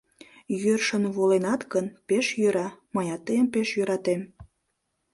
Йӧршын воленат гын, пеш йӧра: мыят тыйым пеш йӧратем!